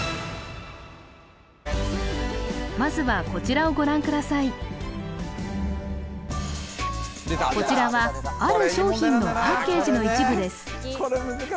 まずはこちらはある商品のパッケージの一部です